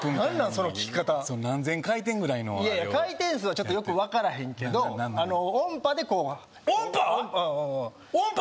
その聞き方何千回転ぐらいのあれをいやいや回転数はちょっとよくわからへんけど音波でこう音波！？